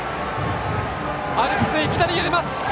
アルプス、いきなり揺れます。